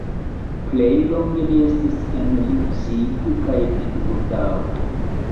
Plej longe li estis en Leipzig kaj en Gotao.